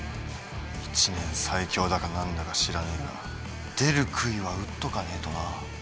１年最強だか何だか知らねえが出るくいは打っとかねえとな。